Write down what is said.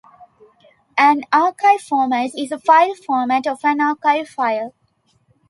An archive format is the file format of an archive file.